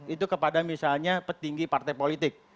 itu kepada misalnya petinggi partai politik